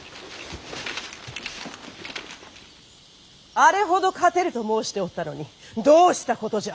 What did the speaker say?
あれほど勝てると申しておったのにどうしたことじゃ！